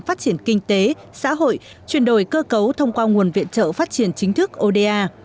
phát triển kinh tế xã hội chuyển đổi cơ cấu thông qua nguồn viện trợ phát triển chính thức oda